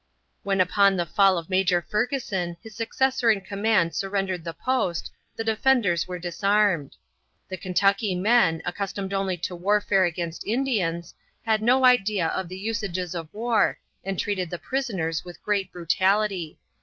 When upon the fall of Major Fergusson his successor in command surrendered the post, the defenders were disarmed. The Kentucky men, accustomed only to warfare against Indians, had no idea of the usages of war and treated the prisoners with great brutality.